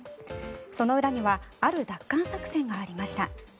その裏にはある奪還作戦がありました。